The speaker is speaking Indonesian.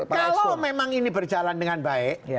kalau memang ini berjalan dengan baik